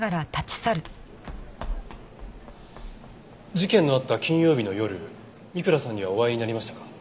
事件のあった金曜日の夜三倉さんにはお会いになりましたか？